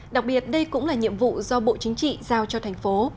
đặc biệt đây cũng là nhiệm vụ do bộ chính trị giao cho thành phố